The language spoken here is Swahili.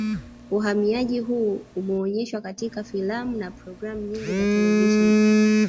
Uhamiaji huu umeonyeshwa katika filamu na programu nyingi za televisheni